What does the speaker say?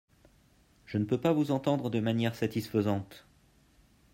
Je ne peux pas vous entendre de manière satisfaisante.